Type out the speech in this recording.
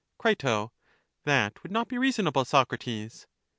Cri, That would not be reasonable, Socrates.